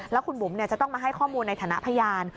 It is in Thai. แล้วคุณบุ๋มจะต้องมาให้ข้อมูลในฐานะพยาน